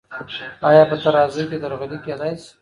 آیا په ترازو کې درغلي کیدی سی؟